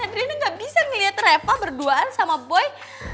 andriana gak bisa ngeliat reva berduaan sama boy